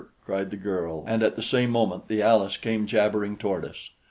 cried the girl, and at the same moment the Alus came jabbering toward us.